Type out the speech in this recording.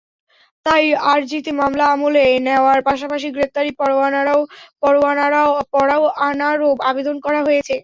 তাই আরজিতে মামলা আমলে নেওয়ার পাশাপাশি গ্রেপ্তারি পরোয়ানারও আবেদন করা হয়েছে।